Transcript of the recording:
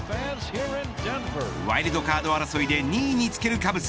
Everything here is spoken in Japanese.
ワイルドカード争いで２位につけるカブス。